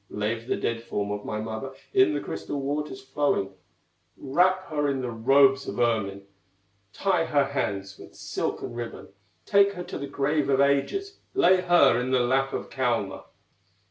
Lave the dead form of my mother In the crystal waters flowing; Wrap her in the robes of ermine, Tie her hands with silken ribbon, Take her to the grave of ages, Lay her in the lap of Kalma.